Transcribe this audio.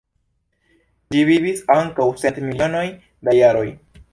Ĝi vivis antaŭ cent milionoj da jaroj.